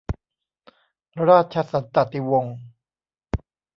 ราชสันตติวงศ์